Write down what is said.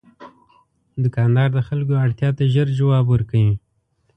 دوکاندار د خلکو اړتیا ته ژر ځواب ورکوي.